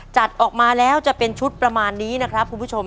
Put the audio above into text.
จัดออกมาแล้วจะเป็นชุดประมาณนี้นะครับคุณผู้ชม